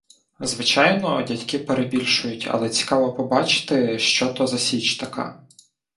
Звичайно, дядьки перебільшують, але цікаво побачити, що то за січ така.